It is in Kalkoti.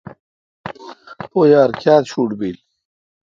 پو یار کیاتہ شوٹ بیل۔